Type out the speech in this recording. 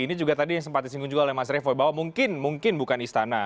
ini juga tadi yang sempat disinggung juga oleh mas revo bahwa mungkin bukan istana